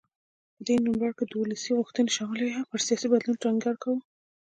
په دې نوملړ کې دولس غوښتنې شاملې وې او پر سیاسي بدلون ټینګار و.